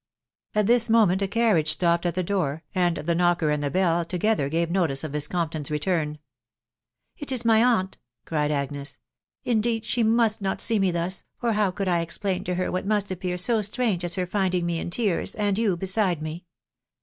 At this moment a carriage stopped at the door, and the knocker and the bell together gave notice of Miss Compton's return. " It is my aunt !" cried Agnes. " Indeed she must not see me thus ; for how could I explain to her what must appear so strange as her finding me in tears, and you beside me.